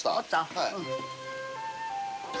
はい。